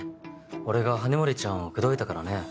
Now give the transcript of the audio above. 俺が羽森ちゃんを口説いたからね。